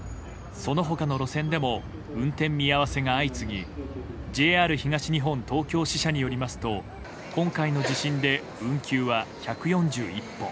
その他の路線でも運転見合わせが相次ぎＪＲ東日本東京支社によりますと今回の地震で運休は１４１本。